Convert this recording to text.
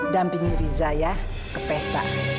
dampingi riza ya ke pesta